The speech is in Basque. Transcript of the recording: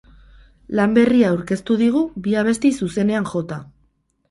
Lan berria aurkeztu digu, bi abesti zuzenean jota.